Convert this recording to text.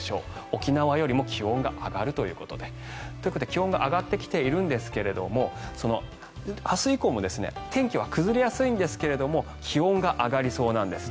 沖縄よりも気温が上がるということで。ということで気温が上がってきているんですがその明日以降も天気は崩れやすいんですが気温が上がりそうなんです。